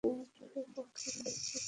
এছাড়াও ওয়েলিংটনের পক্ষে নিয়মিত রয়েছেন।